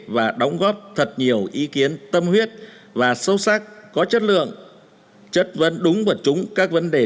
và đóng góp thật nhiều ý kiến tâm huyết và sâu sắc có chất lượng chất vấn đúng vật chúng các vấn đề